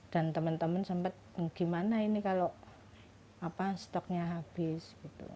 dan teman teman sempat gimana ini kalau stoknya habis